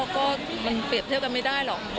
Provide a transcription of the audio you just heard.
ก็มันเปรียบเทียบกันไม่ได้หรอก